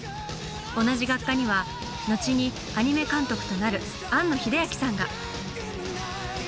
同じ学科には後にアニメ監督となる庵野秀明さんが！